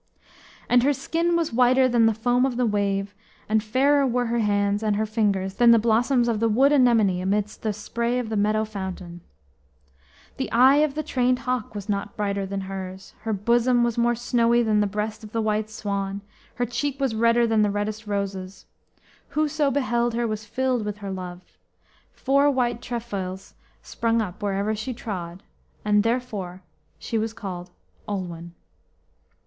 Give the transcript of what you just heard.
] and her skin was whiter than the foam of the wave, and fairer were her hands and her fingers than the blossoms of the wood anemone amidst the spray of the meadow fountain. The eye of the trained hawk was not brighter than hers. Her bosom was more snowy than the breast of the white swan, her cheek was redder than the reddest roses. Whoso beheld her was filled with her love. Four white trefoils sprung up wherever she trod. And therefore was she called Olwen.